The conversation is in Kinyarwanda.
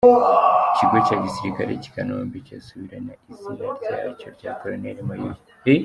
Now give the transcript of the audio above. Ikigo cya Gisirikari cy’i Kanombe cyasubirana izina ryacyo rya Colonel Mayuya